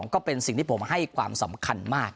ก็เป็นสิ่งที่ผมให้ความสำคัญมาก